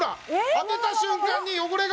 当てた瞬間に汚れが！